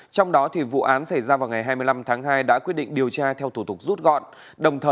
trong đó vụ án xảy ra vào ngày hai mươi năm tháng hai đã quyết định điều tra theo thủ tục rút gọn